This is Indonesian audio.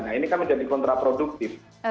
nah ini kan menjadi kontraproduktif